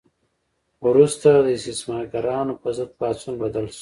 وروسته د استثمارګرانو په ضد پاڅون بدل شو.